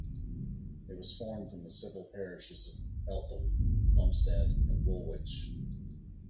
It was formed from the civil parishes of Eltham, Plumstead and Woolwich.